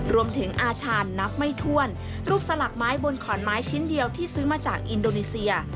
รวมถึงอาชาณนับไม่ถ้วนรูปสลักไม้บนขอนไม้ชิ้นเดียวที่ซื้อมาจากอินโดนีเซีย